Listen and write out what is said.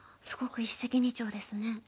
すごく一石二鳥ですね。